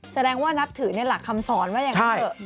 แสดงว่านับถือนี่แหละคำสอนว่าอย่างนั้นเถอะ